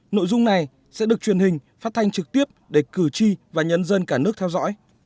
nội dung này sẽ được truyền hình phát thanh trực tiếp để cử tri và nhân dân cả nước theo dõi